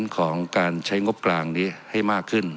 ของการใช้งบกลางนี้ให้มากขึ้น